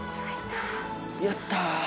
やった。